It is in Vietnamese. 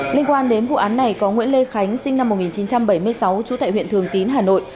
liên quan đến vụ án này có nguyễn lê khánh sinh năm một nghìn chín trăm bảy mươi sáu trú tại huyện thường tín hà nội